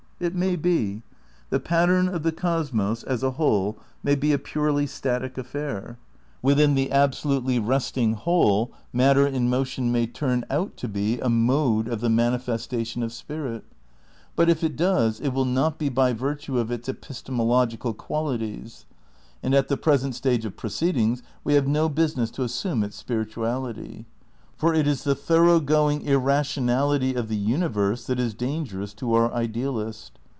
It may be. The pattern of the cosmos as a whole may be a purely static affair. Within the absolutely resting Whole matter in motion may turn out to be a mode of the manifestation of spirit; but, if it does, it will not be by virtue of its epistemological qualities ; and at the present stage of proceedings we have no business to assume its spirituality. For it is the thorough going irrationality of the uni verse that is dangerous to our idealist.